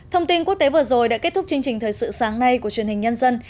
thông tin quốc tế vừa rồi đã kết thúc chương trình thời sự sáng nay của truyền hình nhân dân